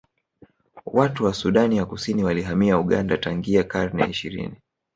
Watu wa Sudani ya Kusini walihamia Uganda tangia karne ya ishirini